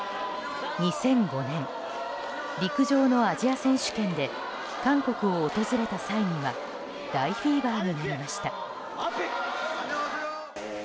２００５年陸上のアジア選手権で韓国を訪れた際には大フィーバーになりました。